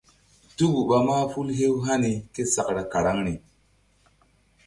Tuku ɓa mahful hew hani késakra karaŋri.